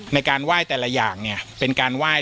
ในการว่ายแต่ละอย่างเนี่ยเป็นการว่าย